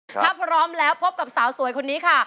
ถ้าพร้อมแล้วพบกับสาวสวยคนนี้ค่ะ